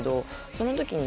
その時に。